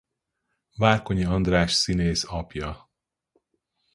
Várkonyi András színész apja.